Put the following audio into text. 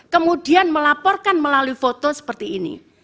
kemudian melaporkan melalui foto seperti ini